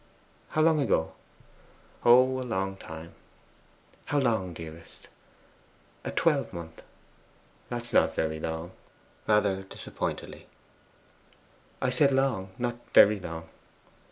'How long ago?' 'Oh, a long time.' 'How long, dearest? 'A twelvemonth.' 'That's not VERY long' (rather disappointedly). 'I said long, not very long.